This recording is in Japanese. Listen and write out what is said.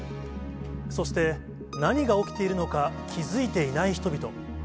そして、何が起きているのか気付いていない人々。